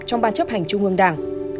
trong ban chấp hành trung ương đảng